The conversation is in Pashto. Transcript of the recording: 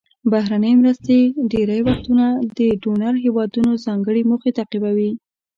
بهرنۍ مرستې ډیری وختونه د ډونر هیوادونو ځانګړې موخې تعقیبوي.